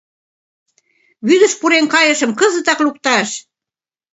— Вӱдыш пурен кайышым кызытак лукташ!